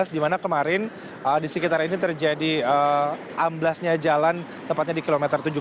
dimana kemarin di sekitar ini terjadi amblesnya jalan tepatnya di kilometer tujuh belas